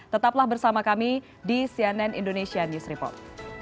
tetaplah bersama kami di cnn indonesia news report